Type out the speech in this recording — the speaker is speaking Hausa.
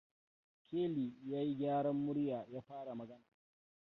Kelly ya yi gyaran murya ya fara magana.